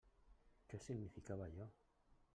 Què significava allò?